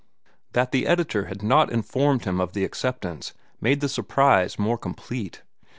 That the editor had not informed him of the acceptance made the surprise more complete.